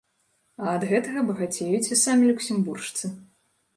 А ад гэтага багацеюць і самі люксембуржцы.